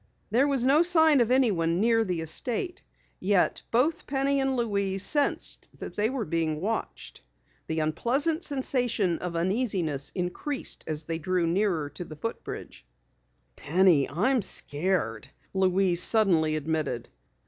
There was no sign of anyone near the estate. Yet both Penny and Louise sensed that they were being watched. The unpleasant sensation of uneasiness increased as they drew nearer the foot bridge. "Penny, I'm scared," Louise suddenly admitted.